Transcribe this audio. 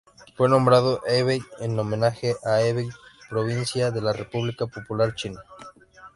Fue nombrado Hebei en homenaje a Hebei provincia de la República Popular China.